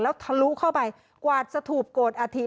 แล้วทะลุเข้าไปกวาดสถูปโกรธอาถิ